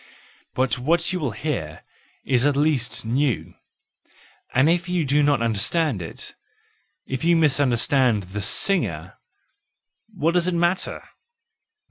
But what you will hear is at least new; and if you do not understand it, if you misunderstand the singer, what does it matter!